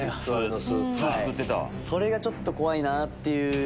それがちょっと怖いなっていう。